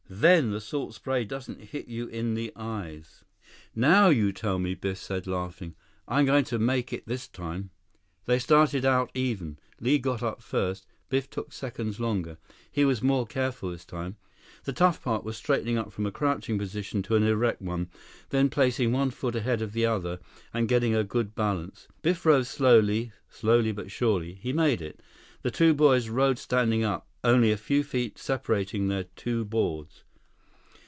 Then the salt spray doesn't hit you in the eyes." "Now you tell me," Biff said, laughing. "I'm going to make it this time." They started out even. Li got up first. Biff took seconds longer. He was more careful this time. The tough part was straightening up from a crouching position to an erect one, then placing one foot ahead of the other, and getting a good balance. Biff arose slowly, slowly but surely. He made it. The two boys rode standing up, only a few feet separating their two boards.